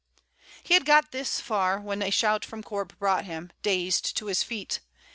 He had got thus far when a shout from Corp brought him, dazed, to his feet.